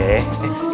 ih ih ih